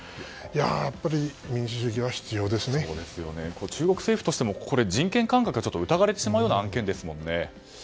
やっぱり中国政府としても人権感覚が疑われてしまうような案件ですものね。